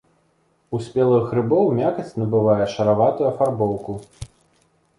У спелых грыбоў мякаць набывае шараватую афарбоўку.